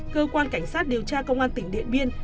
cơ quan cảnh sát điều tra công an tỉnh điện biên